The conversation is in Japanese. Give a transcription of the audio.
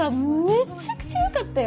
めちゃくちゃ良かったよ！